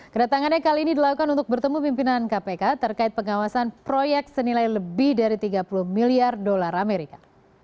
kedatangannya kali ini dilakukan untuk bertemu pimpinan kpk terkait pengawasan proyek senilai lebih dari tiga puluh miliar dolar amerika